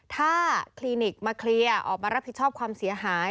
ถ้าคลินิกมาเคลียร์ออกมารับผิดชอบความเสียหาย